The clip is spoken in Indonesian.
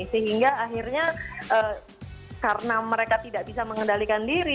sehingga akhirnya karena mereka tidak bisa mengendalikan diri